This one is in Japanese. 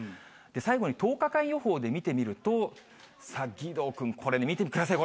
最後に１０日間予報で見てみると、義堂君、これ見てください。